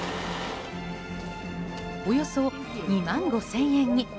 およそ２万５０００円に。